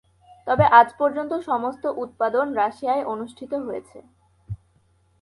তবে, আজ পর্যন্ত সমস্ত উৎপাদন রাশিয়ায় অনুষ্ঠিত হয়েছে।